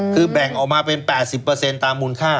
คือแบ่งออกมาเป็น๘๐ตามมูลค่า